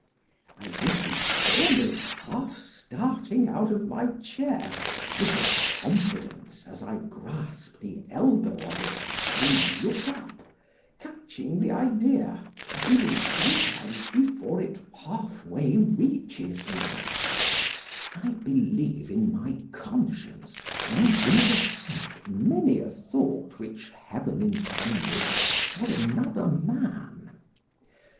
I wish you saw me half starting out of my chair, with what confidence, as I grasp the elbow of it, I look up——catching the idea, even sometimes before it half way reaches me—— I believe in my conscience I intercept many a thought which heaven intended for another man.